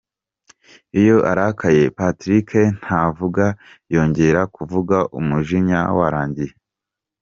Iyo arakaye, Patrick ntavuga yongera kuvuga umujinya warangiye.